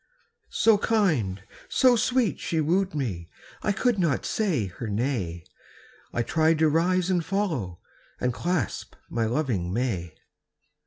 So kind, so sweet she wooed me, I could not say her nay; I tried to rise and follow, And clasp my loving may.